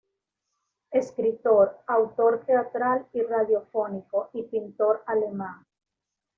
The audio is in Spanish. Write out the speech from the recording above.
Escritor, autor teatral y radiofónico y pintor alemán.